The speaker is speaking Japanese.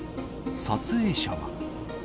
撮影者は。